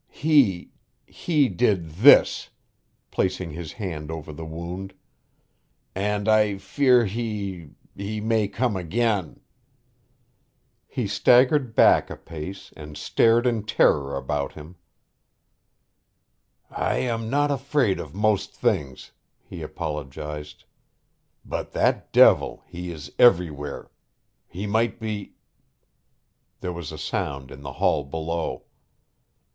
He he did this," placing his hand over the wound, "and I fear he he may come again." He staggered back a pace and stared in terror about him. "I am not afraid of most things," he apologized, "but that devil he is everywhere. He might be " There was a sound in the hall below.